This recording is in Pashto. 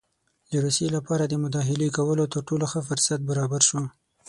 د روسیې لپاره د مداخلې کولو تر ټولو ښه فرصت برابر شو.